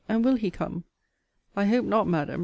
And will he come? I hope not, Madam.